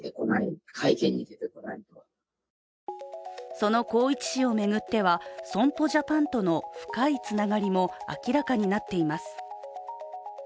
その宏一氏を巡っては、損保ジャパンとの深いつながりも明らかになっています。